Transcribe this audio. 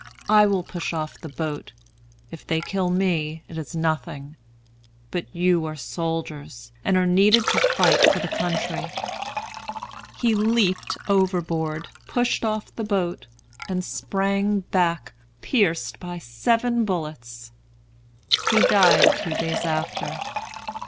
I will push off the boat. If they kill me, it is nothing; but you are soldiers, and are needed to fight for the country." He leaped overboard, pushed off the boat, and sprang back, pierced by seven bullets. He died two days after.